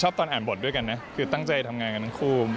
ตอนอ่านบทด้วยกันนะคือตั้งใจทำงานกันทั้งคู่